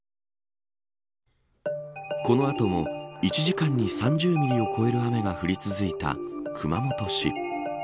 この後も１時間に３０ミリを超える雨が降り続いた熊本市。